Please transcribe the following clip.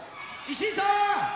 石井さん！